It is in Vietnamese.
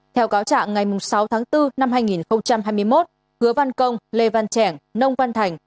theo cáo trạng ngày sáu tháng bốn năm hai nghìn hai mươi một hứa văn công lê văn trẻng nông văn thành